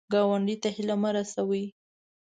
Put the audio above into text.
ګاونډي ته هیله مه ورسوې